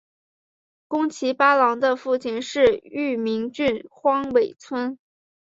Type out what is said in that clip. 宫崎八郎的父亲是玉名郡荒尾村。